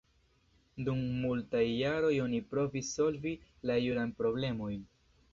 Dum multaj jaroj oni provis solvi la jurajn problemojn.